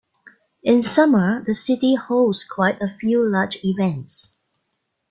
In summer, the city hosts quite a few large events.